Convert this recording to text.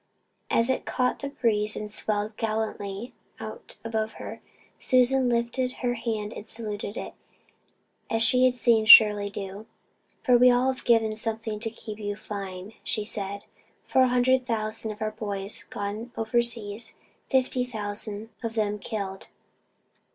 As it caught the breeze and swelled gallantly out above her, Susan lifted her hand and saluted it, as she had seen Shirley do. "We've all given something to keep you flying," she said. "Four hundred thousand of our boys gone overseas fifty thousand of them killed.